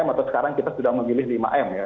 atau sekarang kita sudah memilih lima m ya